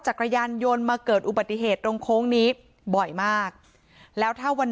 จักรยานยนต์มาเกิดอุบัติเหตุตรงโค้งนี้บ่อยมากแล้วถ้าวัน